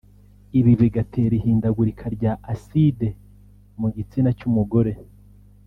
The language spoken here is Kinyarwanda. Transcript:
ibi bigatera ihindagurika rya acide mu gitsina cy’umugore